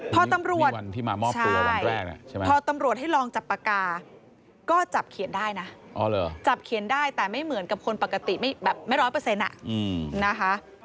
พอตำรวจให้ลองจับปากกาก็จับเขียนได้นะจับเขียนได้แต่ไม่เหมือนกับคนปกติแบบไม่ร้อยเปอร์เซ็นต์